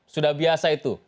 sudah biasa itu